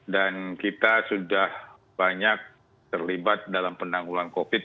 dan kita sudah banyak terlibat dalam penanggulan covid sembilan belas